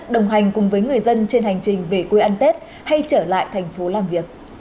đồng hành cùng với người dân trên hành trình về quê ăn tết hay trở lại thành phố làm việc